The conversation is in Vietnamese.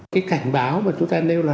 cái cảnh báo mà chúng ta nêu là